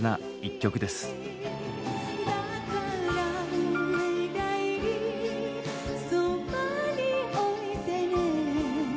「だからお願いそばに置いてね」